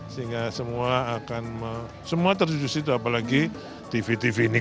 sehingga semua akan semua terjudisi itu apalagi tv tv ini kenapa live gitu kan